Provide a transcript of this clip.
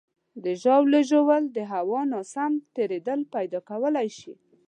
د ژاولې ژوول د هوا ناسم تېرېدل پیدا کولی شي.